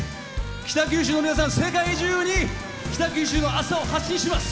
北九州の皆さん世界中に北九州市の朝を発信します！